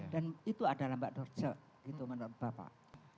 dan itu adalah mbak dorca gitu menurut bapak